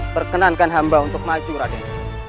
perkenankan hamba untuk maju raden